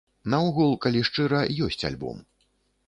Наогул, калі шчыра, ёсць альбом.